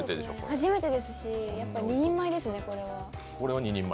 初めてですし、２人前ですねこれは。